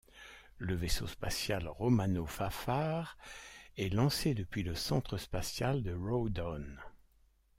Le vaisseau spatial Romano Fafard est lancé depuis le centre spatial de Rawdon.